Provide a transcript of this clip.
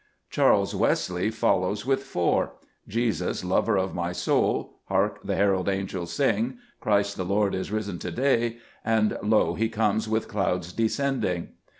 Charles Wesley follows with four, — "Jesus, Lover of my soul," "Hark! the herald angels sing," " Christ the Lord is risen to day," and " Lo ! He comes with clouds descending."